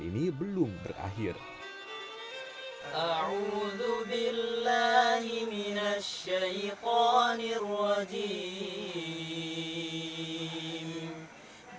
pada saat pel licensed ke negara tourism itu berjalan baik